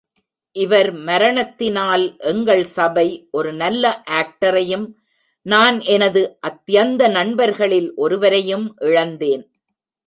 இவர் மரணத்தினால் எங்கள் சபை ஒரு நல்ல ஆக்டரையும், நான் எனது அத்யந்த நண்பர்களில் ஒருவரையும் இழந்தேன்.